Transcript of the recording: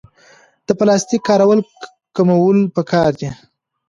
د پلاستیک کارول کمول پکار دي